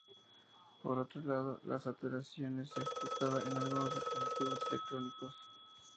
Por otro lado, la saturación es explotada en algunos dispositivos electrónicos.